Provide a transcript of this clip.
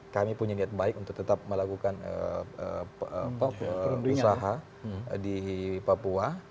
kami punya niat baik untuk tetap melakukan usaha di papua